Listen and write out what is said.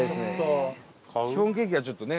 シフォンケーキは、ちょっとね。